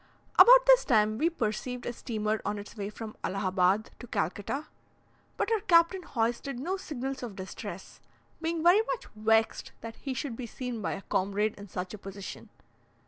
About this time, we perceived a steamer on its way from Allahabad to Calcutta; but our captain hoisted no signals of distress, being very much vexed that he should be seen by a comrade in such a position.